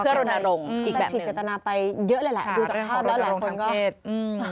เพื่อโรนโรงอีกแบบหนึ่งค่ะเรื่องของโรนโรงทางเพศดูจากภาพแล้วหลายคนก็จะผิดจตนาไปเยอะหลายแล้วหลายคนก็